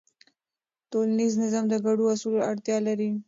ټولنیز نظم د ګډو اصولو اړتیا لري.